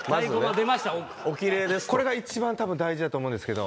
これが一番多分大事だと思うんですけど。